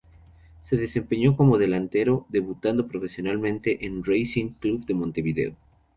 Se desempeñó como delantero, debutando profesionalmente en Racing Club de Montevideo.